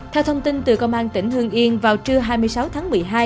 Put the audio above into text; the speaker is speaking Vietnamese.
theo thông tin từ công an tỉnh hương yên vào trưa hai mươi sáu tháng một mươi hai